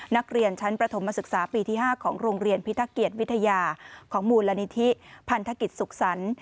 นักเรียนชั้นประถมศึกษาปีที่๕ของโรงเรียนพิทักเกียจวิทยาของมูลนิธิพันธกิจสุขสรรค์